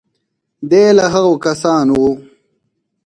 دی له هغو کسانو و.